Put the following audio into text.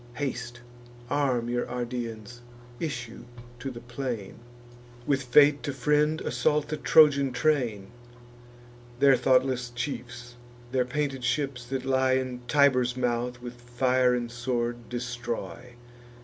Haste; arm your Ardeans; issue to the plain; With fate to friend, assault the Trojan train: Their thoughtless chiefs, their painted ships, that lie In Tiber's mouth, with fire and sword destroy.